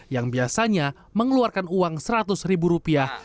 yang biasanya mengeluarkan uang seratus ribu rupiah